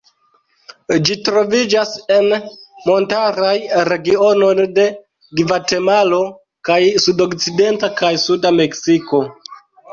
Ĝi troviĝas en montaraj regionoj de Gvatemalo kaj sudokcidenta kaj suda Meksiko.